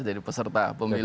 jadi peserta pemilu